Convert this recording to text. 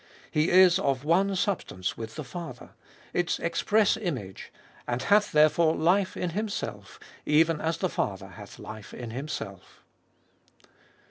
He is of one substance with the Father — its express image— and hath therefore life in Himself, even as the Father hath life in Himself.